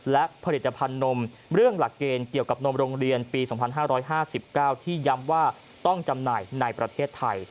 และผลิตภัณฑ์นมเรื่องหลักเกณฑ์เกี่ยวกับนมโรงเรียนปี๒๕๕๙ที่ย้ำว่าต้องจำหน่ายในประเทศไทย